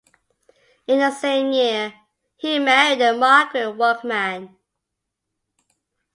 In the same year, he married Margaret Workman.